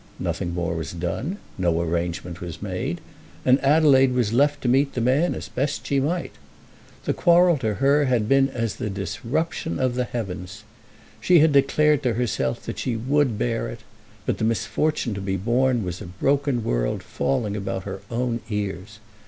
Nothing more was done; no arrangement was made, and Adelaide was left to meet the man as best she might. The quarrel to her had been as the disruption of the heavens. She had declared to herself that she would bear it; but the misfortune to be borne was a broken world falling about her own ears.